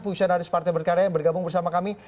fungsionaris partai berkarya yang bergabung bersama kami